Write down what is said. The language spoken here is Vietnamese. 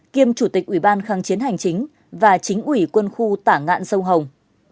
kiêm chủ tịch ủy ban kháng chiến hành chính và chính ủy quân khu tả ngạn sông hồng